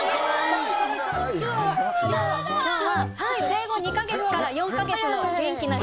生後２カ月から４カ月の元気な。